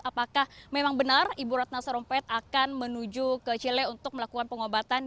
apakah memang benar ibu ratna sarumpait akan menuju ke chile untuk melakukan pengobatan